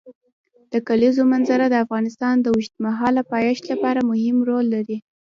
د کلیزو منظره د افغانستان د اوږدمهاله پایښت لپاره مهم رول لري.